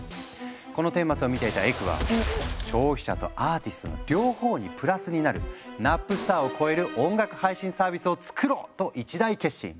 この顛末を見ていたエクは「消費者とアーティストの両方にプラスになるナップスターを超える音楽配信サービスを作ろう！」と一大決心。